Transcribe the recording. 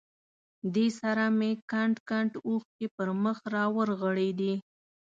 دې سره مې کنډ کنډ اوښکې پر مخ را ورغړېدې.